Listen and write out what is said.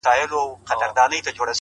له څه مودې ترخ يم خـــوابــــدې هغه ـ